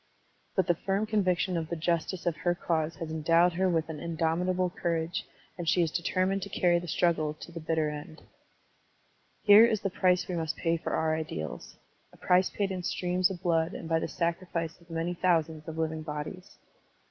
But the firm conviction of the justice of her cause has endowed her with an Digitized by Google 202 SERMONS OF A BUDDHIST ABBOT indomitable cotirage, and she is determined to cany the struggle to the bitter end. Here is the price we must pay for our ideals — a price paid in streams of blood and by the sacri fice of many thousands of living bodies.